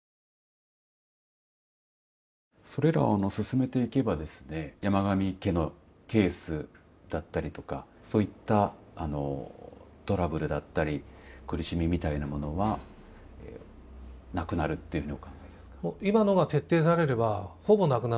それらを進めていけば山上家のケースだったりとかそういったトラブルだったり苦しみみたいなものは、なくなるっていうふうにお考えですか。